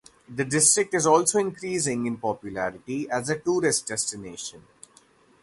The district is also increasing in popularity as a tourist destination.